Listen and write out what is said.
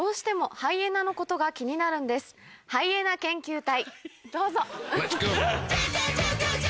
ハイエナ研究隊！